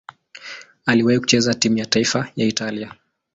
Aliwahi kucheza timu ya taifa ya Italia.